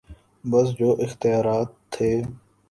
بس جو اختیارات تھے۔